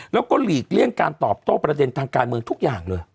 แล้วก็หลีกเลี่ยงการตอบโต้ประเด็นทางการเมืองทุกอย่างเลย